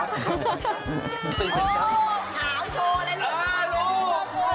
โอ้โหโชว์แล้วทุกคนค่ะ